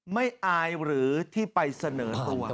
อายหรือที่ไปเสนอตัว